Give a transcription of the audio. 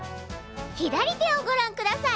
左手をごらんください。